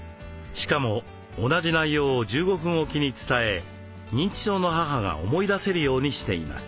しかも同じ内容を１５分おきに伝え認知症の母が思い出せるようにしています。